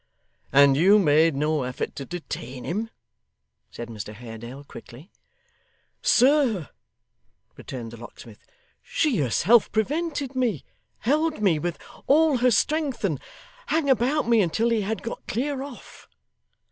'And you made no effort to detain him?' said Mr Haredale quickly. 'Sir,' returned the locksmith, 'she herself prevented me held me, with all her strength, and hung about me until he had got clear off.